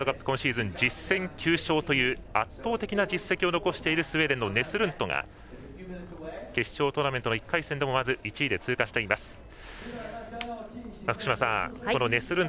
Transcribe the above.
ここまで１０戦９勝という圧倒的な実績を残しているスウェーデンのネスルントが決勝トーナメントは１位で通過しています。